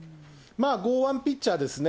剛腕ピッチャーですね。